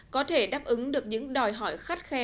có thể đáp ứng được những đòi hỏi khắt khe